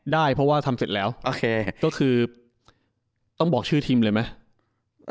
ได้เพราะว่าทำเสร็จแล้วโอเคก็คือต้องบอกชื่อทีมเลยไหม